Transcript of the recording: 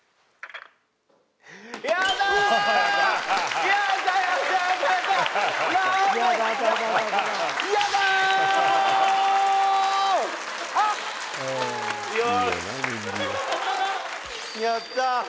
やったー！